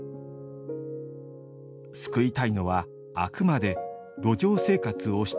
救いたいのはあくまで路上生活をしている人たち。